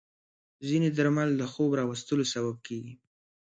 ځینې درمل د خوب راوستلو سبب کېږي.